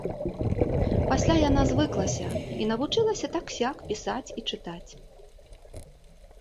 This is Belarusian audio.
Пасля яна звыклася і навучылася так-сяк пісаць і чытаць.